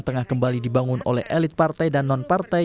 tengah kembali dibangun oleh elit partai dan non partai